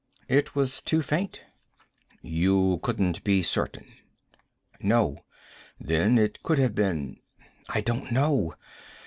"It was too faint." "You couldn't be certain?" "No." "Then it could have been " "I don't know.